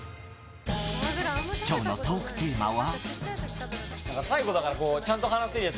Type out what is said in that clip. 今日のトークテーマは。